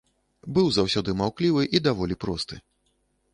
Быў заўсёды маўклівы і даволі просты.